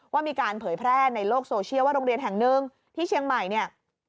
ว่ามีการเผยแพร่ในโลกโซเชียลว่าโรงเรียนแห่งหนึ่งที่เชียงใหม่เนี่ย